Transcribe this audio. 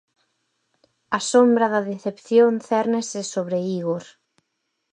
A sombra da decepción cérnese sobre Igor.